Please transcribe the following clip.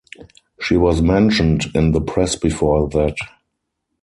She was mentioned in the press before that.